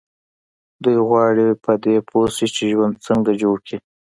دوی غواړي پر دې پوه شي چې ژوند څنګه جوړ کړي.